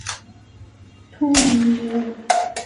托里耶尔。